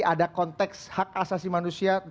ada konteks hak asasi manusia